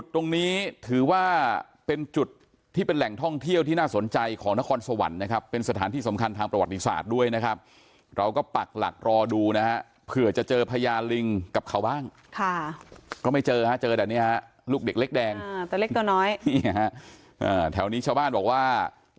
ตรงนี้นะครับใครขับรถผ่านไปผ่านมา